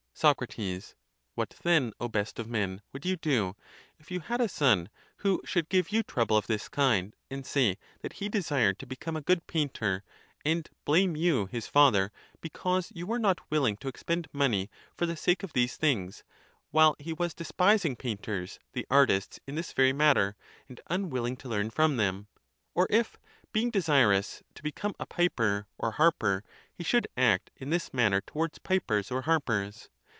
Soc. What then, O best of men, would you do, if you had a son, who should give you trouble of this kind, and say that he desired to become a good painter, and blame you, his father, because you were not willing to expend money for the sake of these things, while he was despising painters, the artists in this very matter, and unwilling to learn from them ; or if, being desirous to become a piper or harper, he should act in this manner towards pipers or harpers?